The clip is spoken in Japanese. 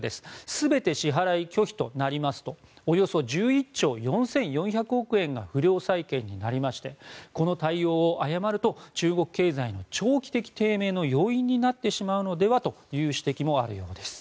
全て支払い拒否となりますとおよそ１１兆４４００億円が不良債権になりましてこの対応を誤ると中国経済の長期的低迷の要因になってしまうのではという指摘もあるようです。